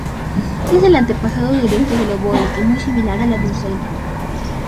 Es el antepasado directo del oboe, y muy similar a la dulzaina.